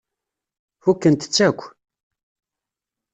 Fukkent-tt akk.